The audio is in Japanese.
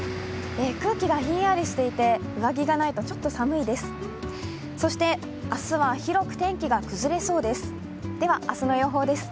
空気がひんやりしていて、上着がないとちょっと寒いです。